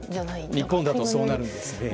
日本だとそうなるんですね。